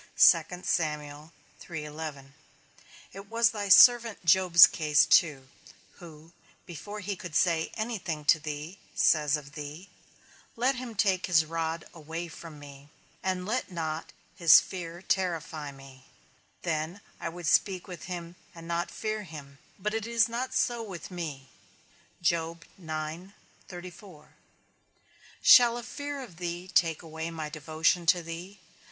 It was thy servant Job's case too, who, before he could say anything to thee, says of thee, _Let him take his rod away from me, and let not his fear terrify me, then would I speak with him, and not fear him; but it is not so with me_. Shall a fear of thee take away my devotion to thee?